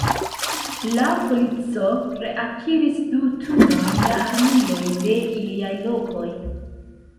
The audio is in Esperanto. La polico reakiris du tunojn da armiloj de iliaj lokoj.